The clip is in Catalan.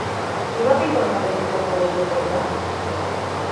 Qui va pintar una rèplica de La Gioconda?